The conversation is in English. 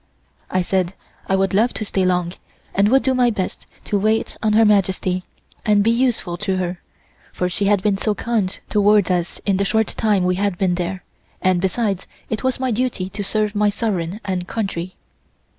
I said I would love to stay long, and would do my best to wait on Her Majesty, and be useful to her, for she had been so kind towards us in the short time we had been there, and besides, it was my duty to serve my sovereign and country.